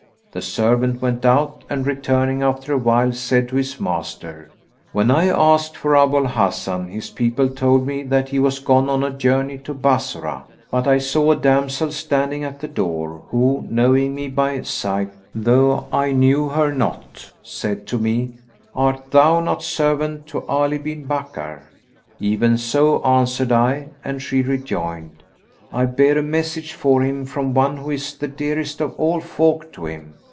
The servant went out and returning after a while said to his master, "When I asked for Abu al Hasan, his people told me that he was gone on a journey to Bassorah; but I saw a damsel standing at the door who, knowing me by sight, though I knew her not, said to me, 'Art thou not servant to Ali bin Bakkar?' 'Even so,' answered I; and she rejoined, 'I bear a message for him from one who is the dearest of all folk to him.'